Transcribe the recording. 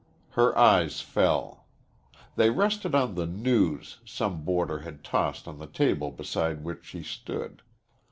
Her eyes fell. They rested on the "News" some boarder had tossed on the table beside which she stood.